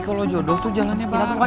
kalau jodoh tuh jalannya bareng